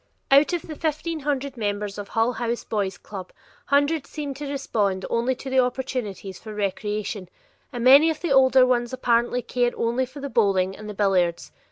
Out of the fifteen hundred members of the Hull House Boy's club, hundreds seem to respond only to the opportunities for recreation, and many of the older ones apparently care only for the bowling and the billiards.